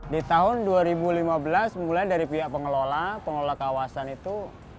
di tahun dua ribu lima belas mulai dari pihak pengelola pengelola kawasan itu